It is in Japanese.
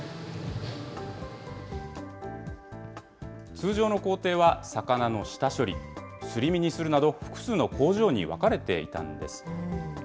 通常の工程は、魚の下処理、すり身にするなど、複数の工場に分かれていたんです。